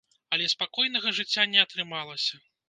Але спакойнага жыцця не атрымалася.